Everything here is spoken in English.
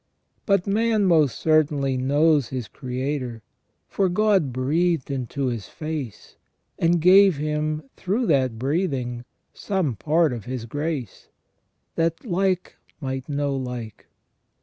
But man most certainly knows his Creator, for God breathed into his face, and gave him through that breathing some part of His grace, that like might know like.